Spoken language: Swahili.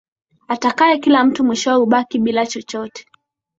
Atakaye kila kitu mwishowe hubaki bila chochote.